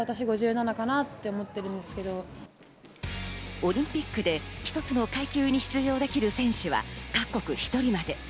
オリンピックで一つの階級に出場できる選手は各国１人まで。